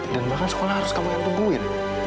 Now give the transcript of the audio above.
dan makan sekolah harus kamu yang nungguin